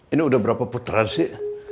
ini udah berapa puteran sih